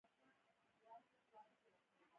له ساده جوړونې څخه ډډه شوې ده.